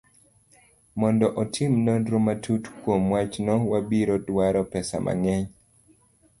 Mondo otim nonro matut kuom wachno, wabiro dwaro pesa mang'eny.